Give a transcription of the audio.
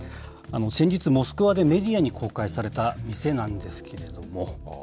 先日、モスクワでメディアに公開された店なんですけれども。